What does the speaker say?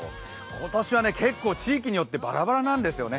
今年は地域によってバラバラなんですよね。